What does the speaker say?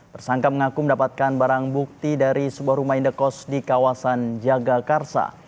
tersangka mengaku mendapatkan barang bukti dari sebuah rumah indekos di kawasan jagakarsa